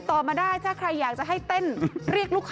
แสดงว่านฤทธิ์นี่ไม่ดึงดูดใจมาก